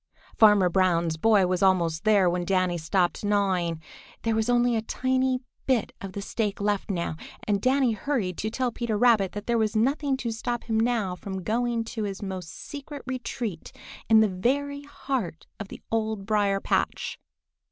Farmer Brown's boy was almost there when Danny stopped gnawing. There was only a tiny bit of the stake left now, and Danny hurried to tell Peter Rabbit that there was nothing to stop him now from going to his most secret retreat in the very heart of the Old Briar patch.